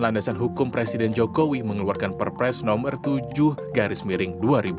landasan hukum presiden jokowi mengeluarkan perpres nomor tujuh garis miring dua ribu dua puluh